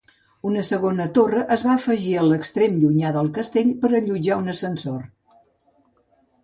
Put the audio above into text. Una segona torre es va afegir a l'extrem llunyà del castell per allotjar un ascensor.